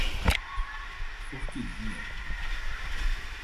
Forquilhinha